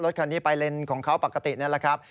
รถคันนี้ไปเลนของเขาปกตินี่แหละครับ